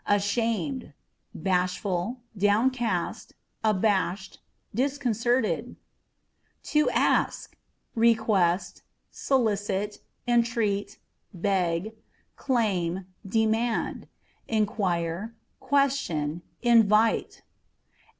Ashamed â€" bashful, downcast, abashed, disconcerted. ASKâ€" ASA 17 To Ask â€" request, solicit, entreat, beg, claim, demand ; inquire, question ; invite.